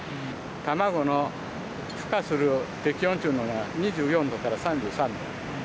卵のふ化する適温というのは、２４度から３３度。